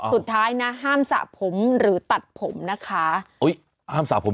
สุดท้ายนะห้ามสระผมหรือตัดผมนะคะโอ้ยห้ามสระผม